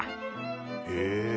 へえ！